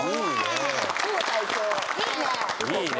いいね！